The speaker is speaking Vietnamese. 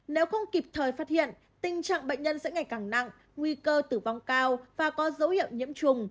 nếu không kịp thời phát hiện tình trạng bệnh nhân sẽ ngày càng nặng nguy cơ tử vong cao và có dấu hiệu nhiễm trùng